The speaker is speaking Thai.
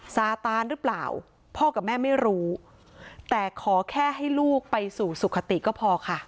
ซาตานหรือเปล่าพ่อกับแม่ไม่รู้แต่ขอแค่ให้ลูกไปสู่สุขติก็พอค่ะ